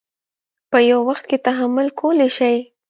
په یوه وخت کې تحمل کولی شي.